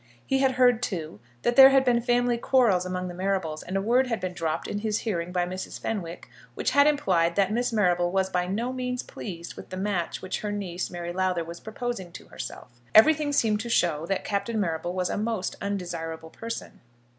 He had heard too that there had been family quarrels among the Marrables, and a word had been dropped in his hearing by Mrs. Fenwick, which had implied that Miss Marrable was by no means pleased with the match which her niece Mary Lowther was proposing to herself. Everything seemed to show that Captain Marrable was a most undesirable person.